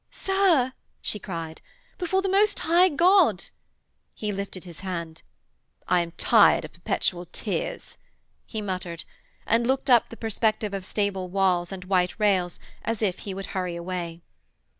'Sir,' she cried, 'before the Most High God....' He lifted his hand. 'I am tired of perpetual tears,' he muttered, and looked up the perspective of stable walls and white rails as if he would hurry away.